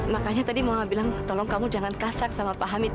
makanya tadi mama bilang tolong kamu jangan kasak sama pak hamid